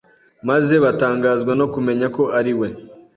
maze batangazwa no kumenya ko ari we..